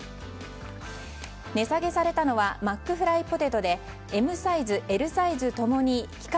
値下げされたのはマックフライポテトでＭサイズ、Ｌサイズ共に期間